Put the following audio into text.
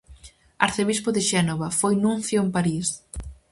Arcebispo de Xénova, foi nuncio en París.